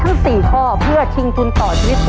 เพื่อทิ้งทุนต่อชีวิตสูงสุด๑ล้านบาทในเกงต่อชีวิตครับ